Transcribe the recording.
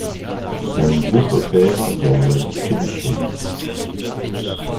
Son groupe opère dans la distribution.